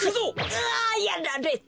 うわやられた。